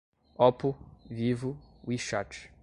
Oppo, Vivo, We Chat